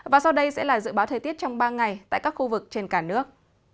và sau đây sẽ là dự báo thời tiết trong ba ngày tại các khu vực trên cả nước